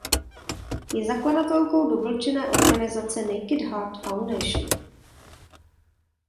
Je zakladatelkou dobročinné organizace "Naked Heart Foundation".